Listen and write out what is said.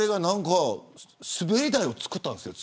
滑り台を作ったんですよ